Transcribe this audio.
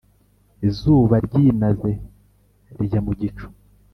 izuba ryinaze rijya mu gicu